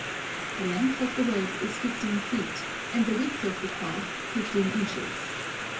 The length of the web is fifteen feet, and the width of the cloth fifteen inches.